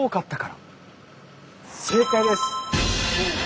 正解です！